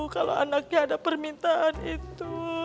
kalau anaknya ada permintaan itu